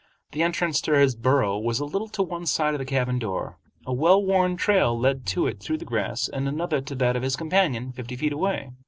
The entrance to his burrow was a little to one side of the cabin door. A well worn trail led to it through the grass and another to that of his companion, fifty feet away.